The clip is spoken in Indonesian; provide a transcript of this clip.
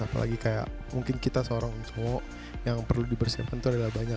apalagi kayak mungkin kita seorang cowok yang perlu dipersiapkan itu adalah banyak